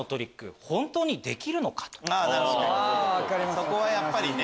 そこはやっぱりね。